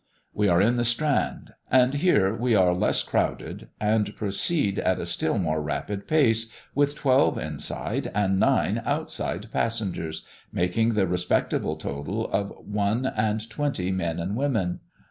We are in the "Strand"; and here we are less crowded, and proceed at a still more rapid pace, with twelve inside and nine outside passengers, making the respectable total of one and twenty men and women.